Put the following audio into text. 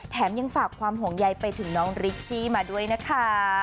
ยังฝากความห่วงใยไปถึงน้องริชชี่มาด้วยนะคะ